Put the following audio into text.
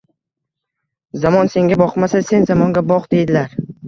— Zamon senga boqmasa, sen zamonga boq, deydilar.